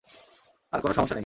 আরে কোনো সমস্যা নেই।